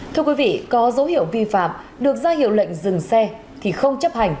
thưa quý vị có dấu hiệu vi phạm được ra hiệu lệnh dừng xe thì không chấp hành